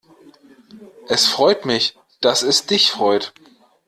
Es freut mich, dass es dich freut.